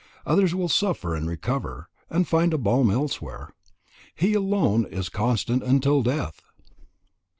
Others will suffer and recover, and find a balm elsewhere. He alone is constant until death!